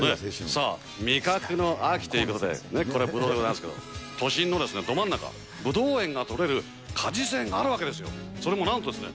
さあ、味覚の秋ということで、これ、ぶどうでございますけれども、都心のど真ん中、ぶとうが取れる果実園があるわけよ。